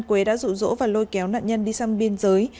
quế đã rụ rỗ và lôi kéo nạn nhân đi sang biên giới